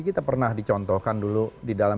kita pernah dicontohkan dulu di dalam